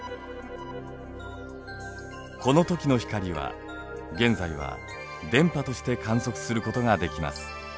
このときの光は現在は電波として観測することができます。